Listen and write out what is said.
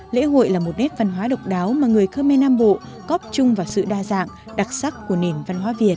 lễ hội là một nét văn hóa độc đáo mà người khmer nam bộ góp chung vào sự đa dạng đặc sắc của nền văn hóa việt